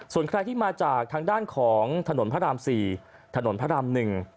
ส่วนใครที่มาจากทางด้านของถนนพระราม๔ถนนพระราม๑